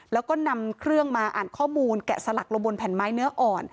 แล้วก็นำเครื่องมาอ่านข้อมูลแกะสลักลงบนแผ่นไม้เนื้ออ่อน